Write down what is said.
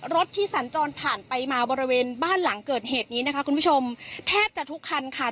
รถที่สัญจรผ่านไปมาบริเวณบ้านหลังเกิดเหตุนี้นะคะคุณผู้ชมแทบจะทุกคันค่ะ